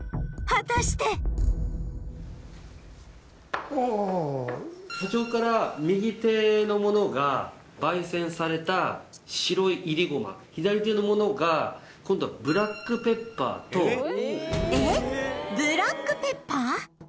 果たして社長から右手のものが左手のものが今度はブラックペッパーとえっブラックペッパー！？